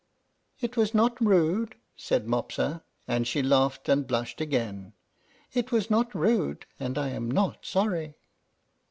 "It was not rude," said Mopsa, and she laughed and blushed again. "It was not rude, and I am not sorry."